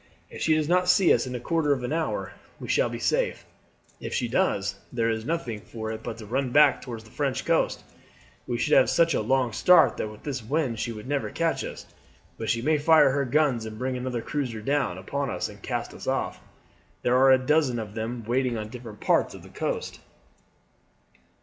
If she does not see us in a quarter of an hour, we shall be safe. If she does, there is nothing for it but to run back towards the French coast. We should have such a long start that with this wind she would never catch us. But she may fire her guns and bring another cruiser down upon us and cut us off. There are a dozen of them watching on different parts of the coast."